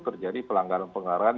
terjadi pelanggaran pengeluaran